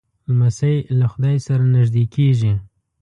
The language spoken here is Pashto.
لمسی له خدای سره نږدې کېږي.